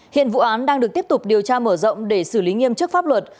hiện vụ án đang được tiếp tục điều tra mở rộng để xử lý nghiêm chức pháp luật